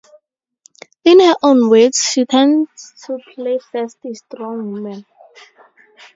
In her own words, she tends to play "feisty, strong women".